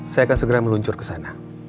saya akan segera meluncur kesana